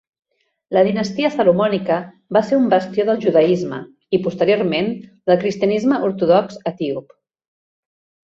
La dinastia salomònica va ser un bastió del judaisme i posteriorment del cristianisme ortodox etíop.